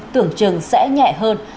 tưởng trường sẽ nhẹ hơn